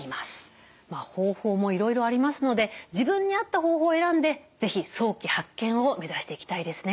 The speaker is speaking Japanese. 方法もいろいろありますので自分に合った方法を選んで是非早期発見を目指していきたいですね。